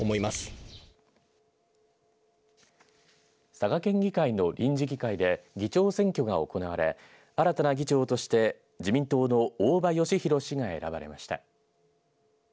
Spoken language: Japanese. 佐賀県議会の臨時議会で議長選挙が行われ新たな議長として自民党の大場芳博氏が選ばれました。